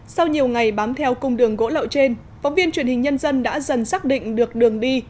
sau nhiều ngày bám theo cung đường gỗ lậu trên phóng viên truyền hình nhân dân đã dần xác định được đường đi